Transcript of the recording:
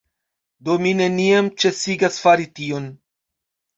Do mi neniam ĉesigas fari tion